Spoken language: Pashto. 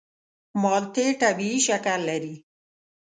مالټې طبیعي شکر لري.